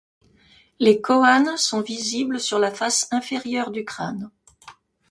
Les choanes sont visibles sur la face inférieure du crâne.